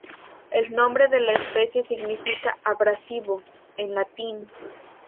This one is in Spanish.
El nombre de la especie significa "abrasivo" en latín.